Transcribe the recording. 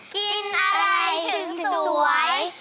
กินอะไรถึงสวย